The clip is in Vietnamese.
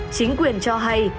chính quyền cho hay